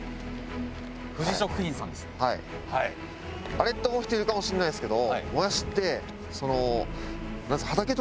あれ？って思う人いるかもしれないんですけど。